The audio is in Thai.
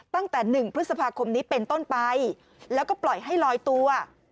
ตั้งแต่๑พฤษภาคมนี้เป็นต้นไปแล้วก็ปล่อยให้ลอยตัว